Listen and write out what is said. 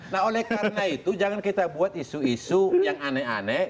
nah oleh karena itu jangan kita buat isu isu yang aneh aneh